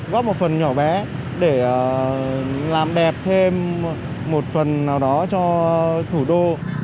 góp một phần nhỏ bé để làm đẹp thêm một phần nào đó cho thủ đô